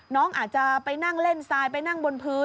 น้องอาจจะไปนั่งเล่นทรายไปนั่งบนพื้น